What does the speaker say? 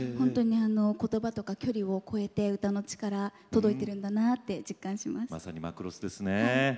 言葉とか距離を超えて歌の力届いているんだなと実感します。